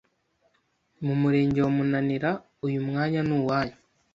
mu Murenge wa Munanira uyu mwanya ni uwanyu